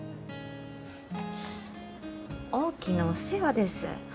大きなお世話です